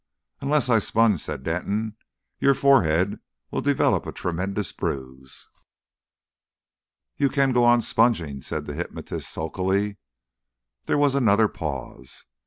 "Unless I sponge," said Denton, "your forehead will develop a tremendous bruise." "You can go on sponging," said the hypnotist sulkily. There was another pause.